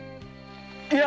いや！